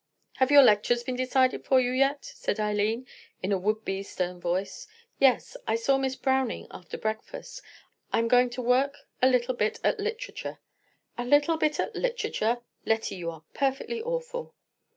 "Have your lectures been decided for you yet?" said Eileen, in a would be stern voice. "Yes; I saw Miss Browning after breakfast. I am going to work a little bit at literature." "A little bit at literature! Lettie, you are perfectly awful."